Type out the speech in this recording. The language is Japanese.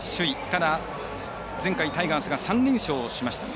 ただ、前回タイガースが３連勝しました。